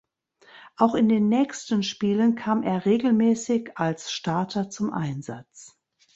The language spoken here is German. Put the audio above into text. Auch in den nächsten Spielen kam er regelmäßig als Starter zum Einsatz.